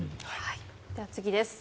では次です。